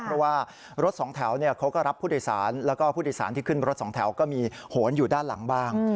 เพราะว่ารถสองแถวเขาก็รับผู้โดยสารแล้วก็ผู้โดยสารที่ขึ้นรถสองแถวก็มีโหนอยู่ด้านหลังบ้าง